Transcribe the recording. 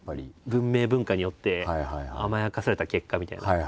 文明文化によって甘やかされた結果みたいな。